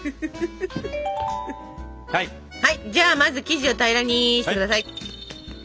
じゃあまず生地を平らにして下さい。